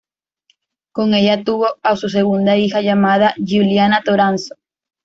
Con ella tuvo a su segunda hija llamada Giuliana Toranzo.